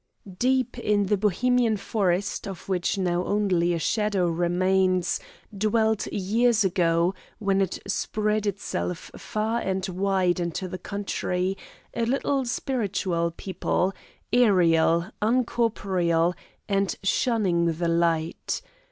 Deep in the Bohemian forest, of which now only a shadow remains, dwelt years ago, when it spread itself far and wide into the country, a little spiritual people, aeriel, uncorporeal, and shunning the light.